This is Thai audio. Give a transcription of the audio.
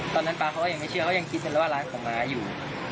ตอนนั้นป๊าเขาก็ยังไม่เชื่อเขายังคิดกันเลยว่าร้านของม้าอยู่